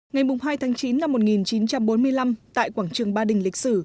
ngày hai tháng chín năm một nghìn chín trăm bốn mươi năm tại quảng trường ba đình lịch sử